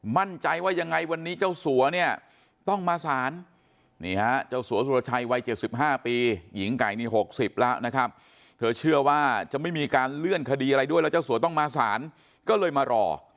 มั่นใจว่ายังไงวันนี้เจ้าสัวเนี่ยต้องมาสารนี่ฮะเจ้าสัวสุรชัยวัย๗๕ปีหญิงไก่นี่๖๐แล้วนะครับเธอเชื่อว่าจะไม่มีการเลื่อนคดีอะไรด้วยแล้วเจ้าสัวต้องมาสารก็เลยมารอ